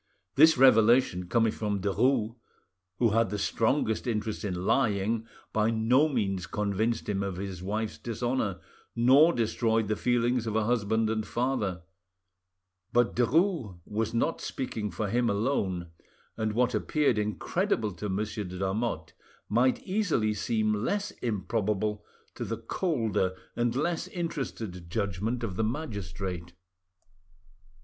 This revelation, coming from Derues, who had the strongest interest in lying, by no means convinced him of his wife's dishonour, nor destroyed the feelings of a husband and father; but Derues was not speaking for him lone, and what appeared incredible to Monsieur de Lamotte might easily seem less improbable to the colder and less interested judgment of the magistrate.